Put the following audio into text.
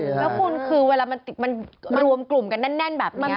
แล้วคุณคือเวลามันรวมกลุ่มกันแน่นแบบนี้